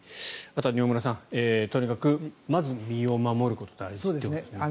あとは饒村さんとにかくまずは身を守ることが大事ということですね。